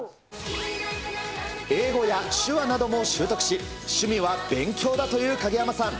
英語や手話なども習得し、趣味は勉強だという影山さん。